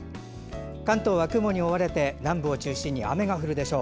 関東は雲に覆われて南部を中心に雨が降るでしょう。